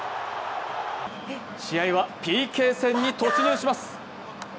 試合はＰＫ戦に突入します。